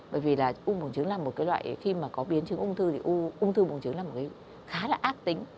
bởi vì là u bùng trứng là một cái loại khi mà có biến trứng ung thư thì ung thư bùng trứng là một cái khá là ác tính